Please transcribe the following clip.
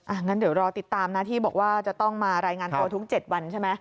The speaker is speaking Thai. งั้นเดี๋ยวรอติดตามนะที่บอกว่าจะต้องมารายงานตัวทุก๗วันใช่ไหม